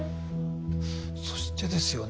そしてですよね